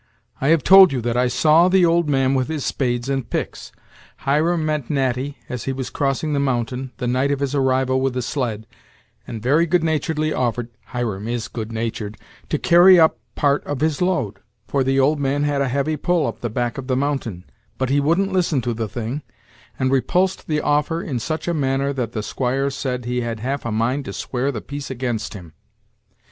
I have told you that I saw the old man with his spades and picks. Hiram met Natty, as he was crossing the mountain, the night of his arrival with the sled, and very good naturedly offered Hiram is good natured to carry up part of his load, for the old man had a heavy pull up the back of the mountain, but he wouldn't listen to the thing, and repulsed the offer in such a manner that the squire said he had half a mind to swear the peace against him.